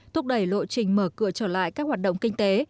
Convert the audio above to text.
thúc đẩy lộ trình mở cửa trở lại các hoạt động kinh tế